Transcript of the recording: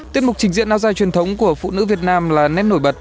tiết mục trình diễn nao dai truyền thống của phụ nữ việt nam là nét nổi bật